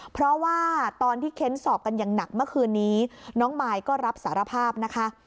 เพราะว่าตอนที่เค้นสอบกันอย่างหนักเมื่อคืนนี้น้องมายก็รับสารภาพนะคะ